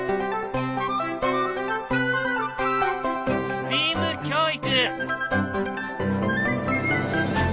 ＳＴＥＡＭ教育。